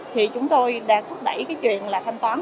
thì chúng tôi đang thúc đẩy cái chuyện là thanh toán